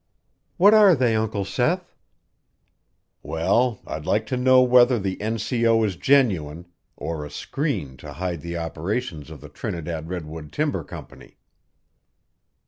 "What are they, Uncle Seth?" "Well, I'd like to know whether the N.C.O. is genuine or a screen to hide the operations of the Trinidad Redwood Timber Company."